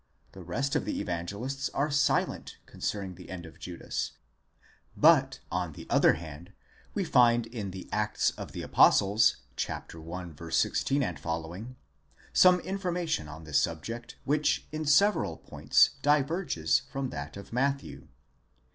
—The rest of the Evangelists are silent concerning the end of Judas; but on the other hand we find in the Acts of the Apostles (i. 16 ff.) some information on this subject which in several points diverges from that of Matthew.